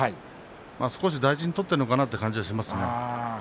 少し大事に取っているのかなという感じがしますね。